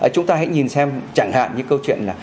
chúng ta hãy nhìn xem chẳng hạn như câu chuyện là